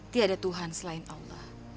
tidak ada tuhan selain allah